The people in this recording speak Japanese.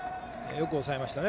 よく抑えましたね